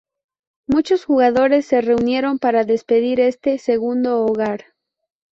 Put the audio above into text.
Muchos jugadores se reunieron para despedir este "segundo hogar".